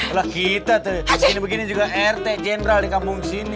alah kita tuh begini begini juga rt general di kampung sini